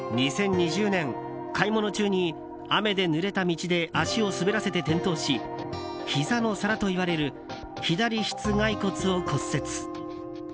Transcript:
２０２０年、買い物中に雨でぬれた道で足を滑らせて転倒しひざの皿といわれる左膝蓋骨を骨折。